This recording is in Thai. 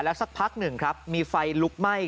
สักพักหนึ่งครับมีไฟลุกไหม้